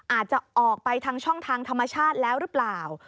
อาจจะออกไปทางช่องทางธรรมชาติแล้วหรือเปล่า